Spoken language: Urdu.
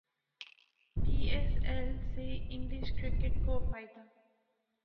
پی ایس ایل سے انگلش کرکٹ کو فائدہ